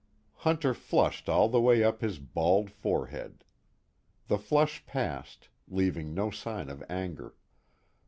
Hunter flushed all the way up his bald forehead; the flush passed, leaving no sign of anger.